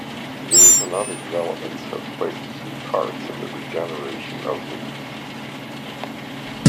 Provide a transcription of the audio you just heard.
These and other developments have played key parts in the regeneration of Leith.